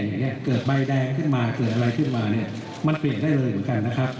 เกิดใบแดงขึ้นมาเกิดอะไรขึ้นมาเนี่ยมันเปลี่ยนได้เลยเหมือนกันนะครับ